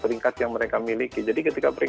kemudian juga belum lagi masalah kontrak dengan aparel